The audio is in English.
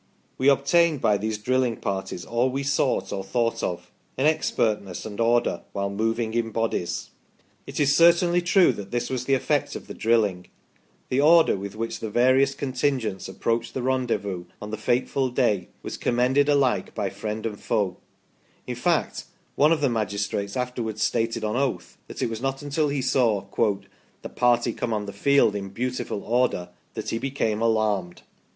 ... We obtained by these drilling parties all we sought or thought of an expertness and order while moving in bodies." It is certainly true that this was the effect of the drilling ; the order with which the various contingents approached the rendezvous on the fateful day was commended alike by friend and foe ; in fact one of the magistrates afterwards stated on oath that it was not until he saw "the party come on the field in beautiful order that he became 16 THE STORY OF PETERLOO alarmed